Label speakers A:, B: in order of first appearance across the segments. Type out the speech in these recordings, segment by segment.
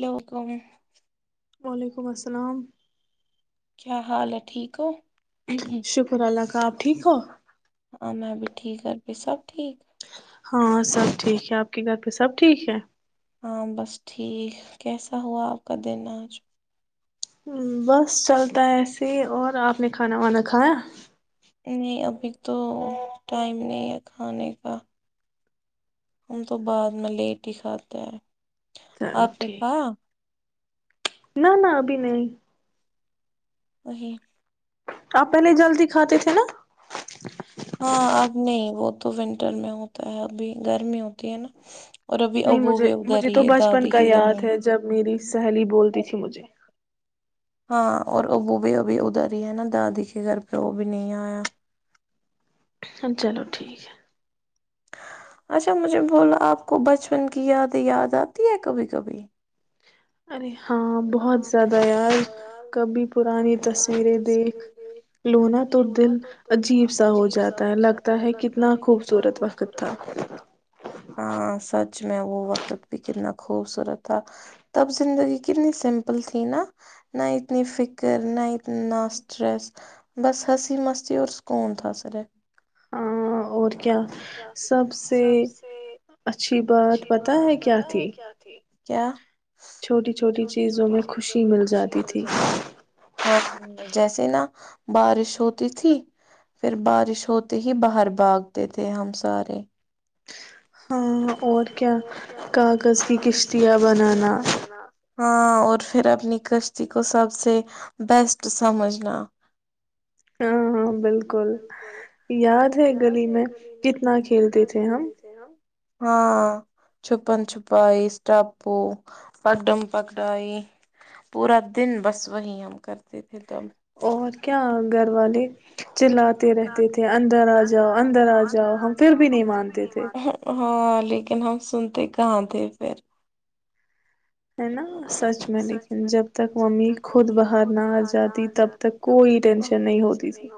A: لوگم
B: وعلیکم السلام
A: کیا حال ہے ٹھیک ہو
B: شکر اللہف سب ٹھیک ہو
A: ہاں میں بھی ٹھیک ا پ سب ٹھیک
B: ہاں سب ٹھیک ہے آپ کے گھر پہ سب ٹھیک ہے
A: ہاں بس ٹھیک کیسا ہوا آپ کا دن آج
B: بس چلتا ہے ایسے ہی اور آپ نے کھانا وانا کھایا
A: نہیں ابھی تو ٹائم نہیں ہے کھانے کا ان تو بعد میں لیٹ ہی کھاتاتا ہے آفرییکہ
B: نہ نہ ابھی نہیں
A: وہی
B: آپ پہلے جلدی کھاتے تھے نا
A: ہاں اب نہیں وہ تو ونٹر میں ہوتا ہے ابھی گرمی ہوتی ہے نا
B: نہیں مجھے مجھے تو بچپن کا یاد ہے جب میری سہیلی بولتی تھی مجھے
A: ہاں اور ابو بھی ابھی ادھر ہی ہے نا دادی کے گھر پہ وہ بھی نہیں آیا
B: ہ چلو ٹھیک ہے
A: اچھا مجھے بولا آپ کو بچپن کی یادیں یاد آتی ہے کبھی کبھی
B: ارے ہاں بہت
A: بہت زیادہ کبھی پرانی تصویریں لونا تو دل عجیب سا ہو جاتا ہے لگتا ہے کتنا خوبصورت وقت تھا ہاں سچ میں وہ وقت بھی کلنا خوبصورت تھا تب زندگی کتنی سم [unintelligible] ل تھی نا نہ اتنی فکر [unintelligible] ن ناسٹریس بس ہسی مستی اور سکون تھا سر کیا سب سے اچھی بات پتا ہے کیا تھی چھوٹی چھوٹی چیزوں میں خوشی مل جاتی تھی ہاں جیسے نا بارش ہوتی تھی پھر بارش ہوتے ہی باہر بھاگتے تھے ا تھے ہم سارے [unintelligible]
B: اور کیا کاغذ کی کشتیاں بنانا
A: ہاں اور پھر اپنی کشتی کو سب سے بیسٹ سمجھنا
B: ہاں ہاں بالکل یاد ہے گلی میں کتنا کھیلتے تھے ہم
A: ہاں چھپن چھپائی اسٹاپو پکڈم پکڑائی پورا دن بس وہی ہم کرتے تھے توب
B: اور کیا گھر والے [unintelligible] چلاتے رہتے تھے اندر آ جاؤ اندر آ جاؤ ہم پھر بھی نہیں مانتے تھے
A: ہاں لیکن ہم سنتے کہاں تھے پھر
B: ہے نا سچ میں لیکن جب تک ممی خود باہر نہ آ جاتی تب تک کوئی ٹینشن نہیں ہوتی تھی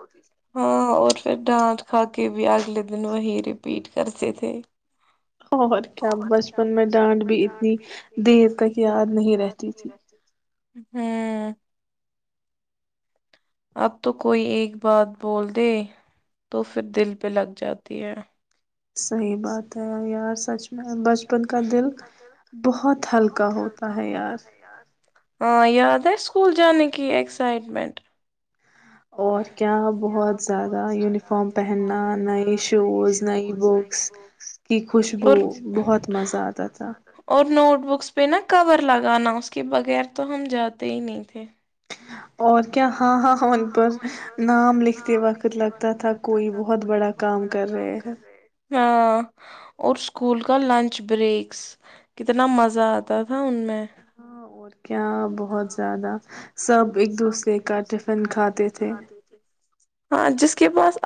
A: ہاں اور پھر ڈانٹ کھا کے بھی اگلے دن وہی رپیٹ کرتے تھے
B: اور کیا بچپن میں ڈانڈ بھی اتنی دیر تک یاد
A: کھی یاار نہیں رہتی ھمم [inaudible] [unintelligible] اب تو کوئی ایک بات بول دے تو پھر دل پہ لگ جاتی ہے
B: صحیح بات ہے یار سچ میں بچپن کا دل بہت ہلکا ہوتا ہے یار
A: ہاں یاد ہے اسکول جان کی ایکسائٹمینٹ
B: اور کیا بہت زیادہ یونیفارم پہننا نئے شوز نئی بکس کی خوشبو بہت مزہ آتا تھا
A: بکس پہ نا کور لگانا اس کے بغیر تو ہم جاتے ہی نہیں تھے
B: اور کیا ہاں ہاں ہ ان پر
A: ان پر نام لکھتے وقت لگتا تھا کوئی بہت بڑا کام کر رہے ہاں اور اسکول کا لنچ بریکس کتنا مزہ آتا تھا ان میں
B: ہاں اور کیا بہت زیادہ سب ایک دوسرے کا ٹفن کھاتے تھے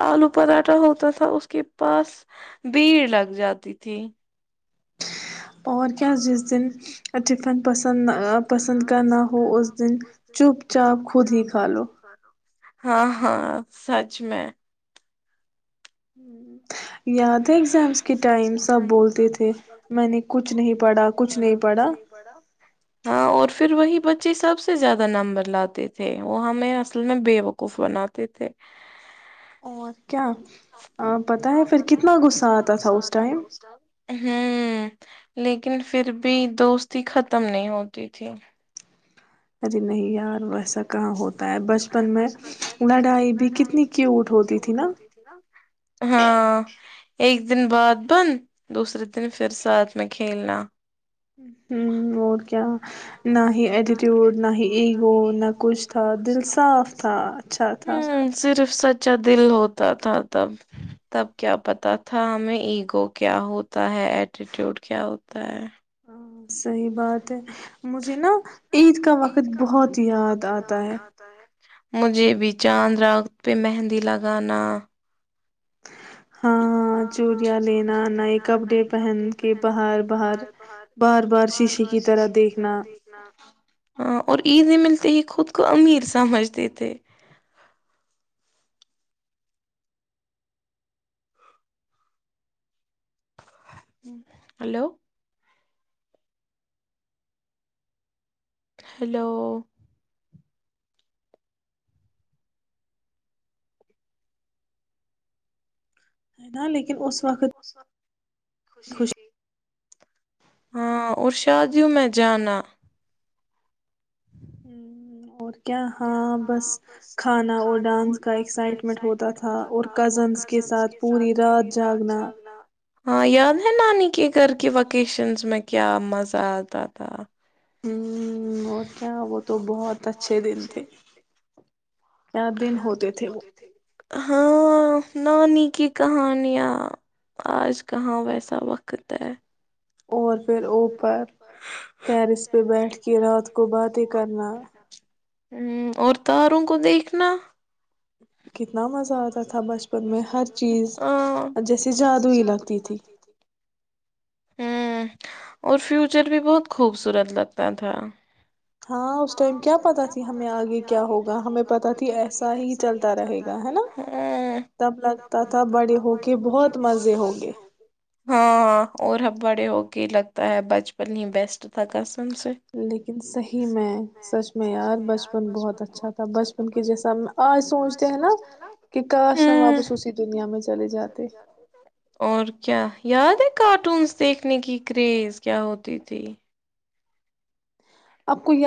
A: آلو پراٹھا ہوتا تھا اس کے پاس بھیڑ لگ جاتی تھی
B: اور کیا جس دن ٹفن [unintelligible] پسند پسند کرنا ہو اس دن چپ چاپ خود ہی کھا لو
A: ہاں ہاں سچ میں
B: ہوں [inaudible] یاد ہے اگزامس کے ٹائم سب بولتے تھے میں نے کچھ نہیں پڑھا کچھ نہیں پڑھا
A: پھر وہی بچے سب سے زیادہ نمبر لاتے تھے وہ ہمیں اصل میں بے وقوف بناتے تھے
B: اور
A: آ پتا ہے پ کتنا غصہ آتا تھا اس ہ [unintelligible] لیکن پھر بھی دوستی ختم نہیں ہوتی تھی
B: اری نہیں یار بس
A: تاٹ ہوتی تھی نا ہاں [unintelligible] ایک دن بعد بند دوسرے دن پھر ساتھ میں کھیلنا
B: ہ اور کیا نہ ہی ایٹیٹیوڈ نہ ہی ایگو نہ کچھ تھا دل صاف تھا اچھا تھا
A: سچا دل ہوتا تھا تب تب کیا پتا تھا ہمیں ایگو کیا ہوتا ہے ایٹیٹیوڈ کیا ہوتا ہے
B: ہ صحی بات ہے مجھے نا عید کا وقت بہت یاد آتا ہے
A: مجھے بھی چاند راخت پہ مہندی لگانا ہاں چوریاں لینا نئے کپڑے پہن کے باہر باہر بار بار شیشے کی طرح دیکھنا [unintelligible] اور عیدیں ملتے ہی خود کو امیر سمجھتے تھ ہلو [unintelligible] ہیلو
B: ہے ن لیک
A: لیکن اس وقت خوشی تھی ہاں اور شادیوں میں جانا
B: ہ اور [unintelligible] کیا ہاں بس کھانا اور ڈانس کا ایکسائٹمنٹ ہوتا تھا اور کزنس کے ساتھ پوری رات جاگنا
A: ہاں یاد ہے نانی کے گھر کے وکیشنس میں کیا مزہ آتا تھا
B: اور کیا ہو
A: وہ تو بہت اچھےے د ہوتے تھے [unintelligible] ہاں نانی کی کہانیاں آج کہاں ویسا وقت ہے
B: اور پھر اوپر ٹیرس پہ بیٹھ کے رات کو باتیں کرنا
A: ہ اور تاروں کو دیکھنا [unintelligible]
B: کتنا مزہ آتا تھا بچپن میں ہر چیز جیسی جادوئی لگتی تھی
A: ہ اور فیوچر بھی بہت خوبصورت لگتا تھا
B: ہاں اس ٹائم کیا پتا تھی ہمیں آگے کیا ہوگا ہمیں پتا تھی ایسا ہی چلتا رہے گا ہے نا تب لگتا تھا بڑے ہو کے بہت مزے ہو گئے
A: بڑے ہو کے لگتا ہے بچپن ہی بیسٹ تھا ک
B: لیکن صحیح میں سچ میں یار بچپن بہت اچھا تھا بچپن کے جیسا آج سوچتے ہیں نا کہ کاش ہم واپس اسی دنیا میں چلے جاتے
A: کیا یاد ہے کارٹونس دیکھنے کی کریز کیا ہوتی تھی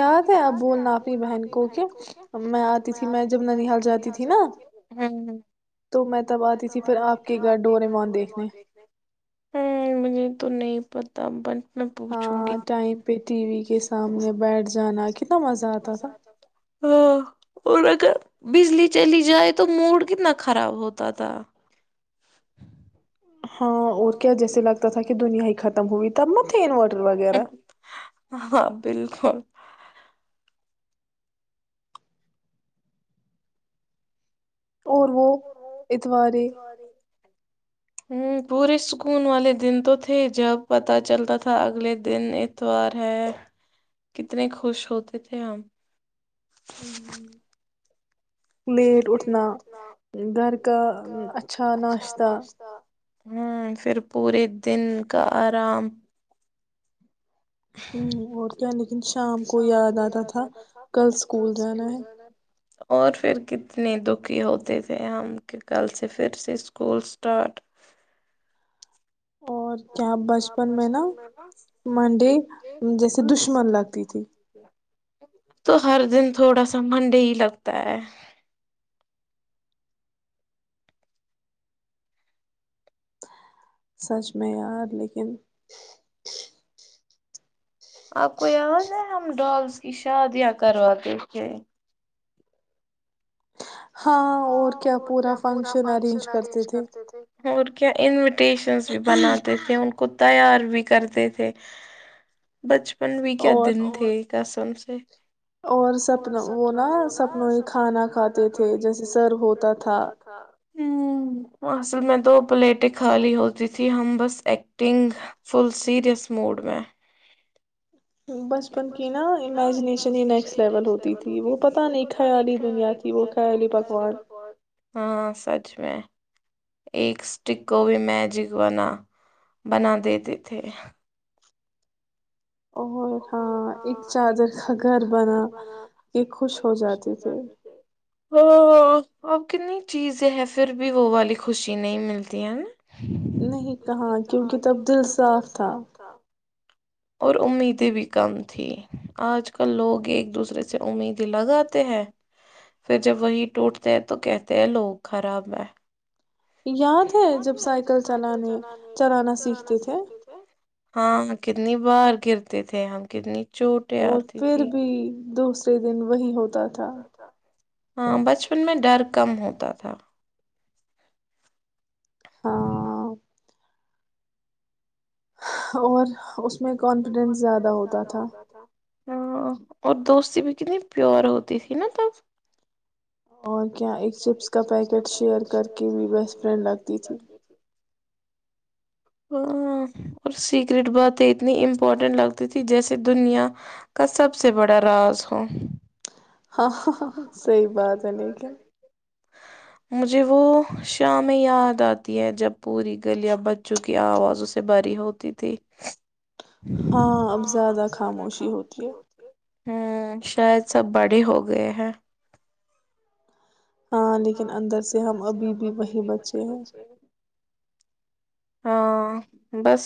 A: آپ کو یاد ہے آپ بولنا آپنی بہن کو میں آتی تھی میں جب ننال جاتی تھی میں تب آتی تھی پھر آپ کے گھر ڈورے دیکھنے ہ مجھے تو نہیں پ تمبن
B: ہاں ٹائم پہ ٹی وی کے سامنے بیٹھ ج جانا کہ کتنا مزہ آتا تھا
A: ہاں اور اگر بجلی چلی جائے تو موڈ کتنا خراب ہوتا تھا
B: ہاں اور کیا جیسے لگتا تھا کہ دنیا ہی ختم ہوئی تب متے انورٹر وغیرہ
A: ہ
B: اور وہ اتوارے
A: ہ پورے سکون والے دن تو تھے جب پت چلتا تھا اگلے دن اتوار ہے کتنے خوش ہوتے تھے ہم
B: ہوں
A: پلیٹ اٹھنا گھر کا اچھا ناشہ ہ پھر پورے دن کا آرام
B: ہ اور کیا لیکن شام کو یاد آتا تھا کل اسکول جانا ہے
A: اور پھر کتنے دکھی ہوتے تھے ہم کہ کل سے پھر سے اسکول اسٹارٹ
B: اور کیا بچپن میں نا منڈے جیسے دشمن لگتی تھی
A: تو ہر دن تھوڑا سا منڈے ہی لگتا ہے
B: سچ میں یار لیکن
A: آپ کو یاد ہے ہم ڈالس کی شادیاں کرواتے تھے
B: ہاں اور کیا پورا فنکشن ارینج کرتے تھے
A: [unintelligible] اسٹیشنز بھی بنان تو ت کو تیار بھی کرتے تھے بچپن ان بھی کیا دن تھے گسم سے
B: اور سپن وہ نا سپنوں ہی کھانا کھاتے تھے جیسے سر ہوتا تھا
A: ہ اصل میں تو پلیٹیں خالی ہوتی تھی ہم بس ایکٹنگ فل سیریس موڈ میں
B: بچپن کی نا امیجنییشن ہی نیکسٹ لیول ہوتی تھی وہ پتہ نہیں خیالی دنیا تھی وہ خیالی پکوان
A: ہاں سچ میں ایک اسٹک کو بھی میجک بنا بنا دیتے تھے
B: اور ہاں ایک چادر کا گھر بنا کہ خوش ہو جاتے تھے
A: ہ اب کتنی چیزیں ہیں پھر بھی وہ والی خوشی نہیں ملتی ہے نا
B: نہیں [unintelligible] کہاں کیونکہ تب دل صاف تھا
A: اور امیدیں بھی کم تھی آج کل لوگ ایک دوسرے سے امیدیں لگاتے ہیں پھر جب وہی ٹوٹتے ہیں تو کہتے ہیں لوگ خراب ہے
B: یاد ہے جب سائیکل چلانے چلانا سیکھتے تھے
A: ہاں کتنی بار گرتے تھے ہم کتنی
B: اور پھر بھی دوس دن وہی ہوتے
A: ہاں بچپن میں ڈرک کم ہوتا تھا ہاں
B: اور اس اس میں کانفیڈنس زیادہ ہوتا تھا
A: ہاں اور دوستی بھی کتنی پیور ہوتی تھی نا تب
B: اور کیا ایک چپس کا پیکٹ شیئر کر کے بھی بیسٹ فرینڈ لگتی تھی
A: اور سیکرٹ باتیں اتنی امپورٹنٹ لگتی تھیں جیسے دنیا کا سب سے بڑا راز ہو
B: ہاں صحی بات ہے لیکن
A: مجھے وہ شام میں یاد آتی ہے جب پوری گلیاں بچوں کی آواز اسے بھری ہوتی تھی
B: ہاں اب زیادہ خاموشی ہوتی ہے
A: ہوں شاید سب بڑی ہوگی گیا ہے
B: ہاں لیکن اندر سے ہم ابھی بھی وہی بچے ہیں
A: ہاں بس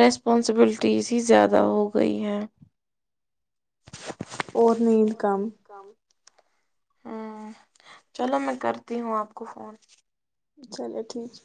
A: رسپانسبلٹیزی زیادہ ہو گئی ہے
B: اور نیند کم
A: ہوں چلو میں کرتی ہوں آپ کو فون
B: چلیے ٹھیک ہے